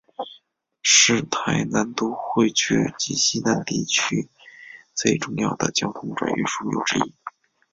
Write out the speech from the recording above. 是台南都会区及溪南地区最重要的交通转运枢纽之一。